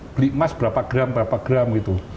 beli emas berapa gram berapa gram gitu